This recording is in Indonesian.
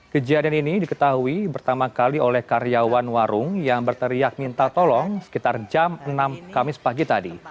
kejadian ini diketahui pertama kali oleh karyawan warung yang berteriak minta tolong sekitar jam enam kamis pagi tadi